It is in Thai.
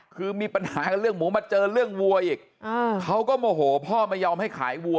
คือมีปัญหากับเรื่องหมูมาเจอเรื่องวัวอีกเขาก็โมโหพ่อไม่ยอมให้ขายวัว